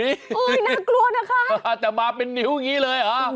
น่ากลัวนะคะอาจจะมาเป็นนิ้วอย่างนี้เลย